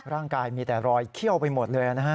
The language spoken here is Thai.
ร่างกายมีแต่รอยเขี้ยวไปหมดเลยนะฮะ